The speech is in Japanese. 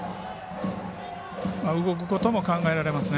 動くことも考えられますね。